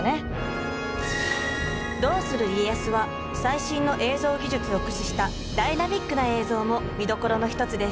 「どうする家康」は最新の映像技術を駆使したダイナミックな映像も見どころの一つです。